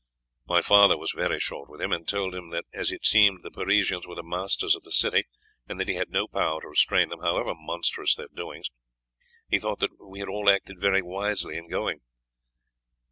"My father was very short with him, and told him that as it seemed the Parisians were the masters of the city, and that he had no power to restrain them, however monstrous their doings, he thought that we had all acted very wisely in going.